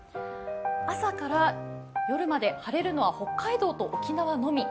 朝から夜まで晴れるのは北海道と沖縄のみ。